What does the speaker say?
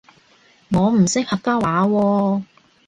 我唔識客家話喎